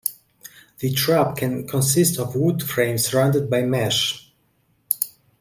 The trap can consist of a wood frame surrounded by mesh.